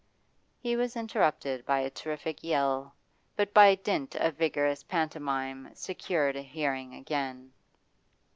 He was interrupted by a terrific yell, but by dint of vigorous pantomime secured a hearing again.